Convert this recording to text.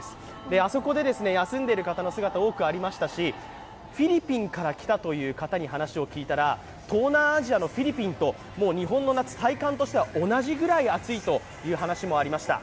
あそこで休んでいる方の姿、多くありましたし、フィリピンから来たという方に話を聞いたら東南アジアのフィリピンと日本の夏、体感としては同じぐらい暑いという話もありました。